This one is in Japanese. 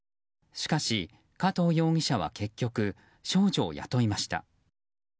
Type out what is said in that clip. しかし、加藤容疑者は結局少女を雇いました。